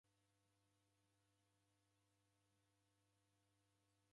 W'adaw'ana w'engi w'engia genge ra w'uhalifu.